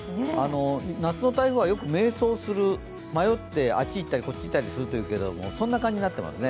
夏の台風はよく迷走する、迷ってあっちに行ったりこっちに行ったりするといいますが、そんな感じになっていますね。